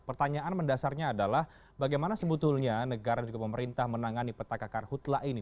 pertanyaan mendasarnya adalah bagaimana sebetulnya negara juga pemerintah menangani petaka karhutlah ini